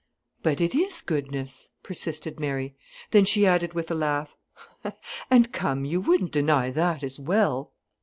"But it is goodness," persisted Mary. Then she added, with a laugh: "And come, you wouldn't deny that as well."